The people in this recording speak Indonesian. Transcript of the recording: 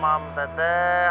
mam teh teh